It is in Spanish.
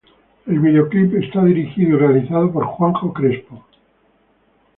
El videoclip es dirigido y realizado por Juanjo Crespo.